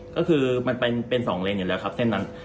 ก็คือมันเป็น๒เลนอยู่แล้วครับเส้นนั้น